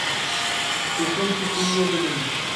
pregunto qué día de número.